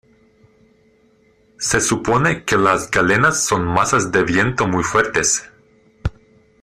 se supone que las galenas son masas de viento muy fuertes